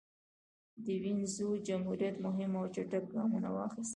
د وینز جمهوریت مهم او چټک ګامونه واخیستل.